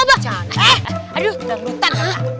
eh aduh udah ngurutan